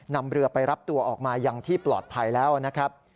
นำเรือไปรับตัวออกมาอย่างที่ปลอดภัยแล้วนะครับ